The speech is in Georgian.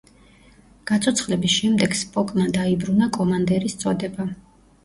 გაცოცხლების შემდეგ სპოკმა დაიბრუნა კომანდერის წოდება.